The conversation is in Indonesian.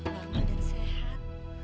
baru ada yang sehat